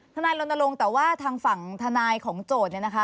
ทนายรณรงค์แต่ว่าทางฝั่งทนายของโจทย์เนี่ยนะคะ